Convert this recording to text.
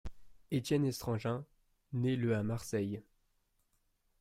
Étienne Estrangin naît le à Marseille.